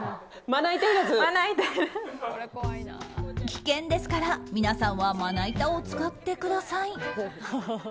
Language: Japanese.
危険ですから、皆さんはまな板を使ってください。